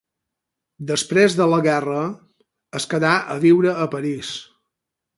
Després de la guerra, es quedà a viure a París.